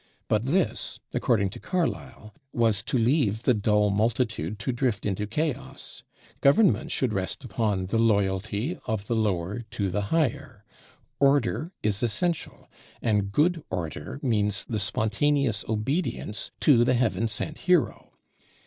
But this, according to Carlyle, was to leave the "dull multitude" to drift into chaos. Government should rest upon the loyalty of the lower to the higher. Order is essential; and good order means the spontaneous obedience to the heaven sent hero.